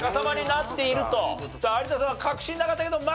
有田さんは確信なかったけどまあ